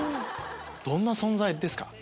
どんな存在ですか？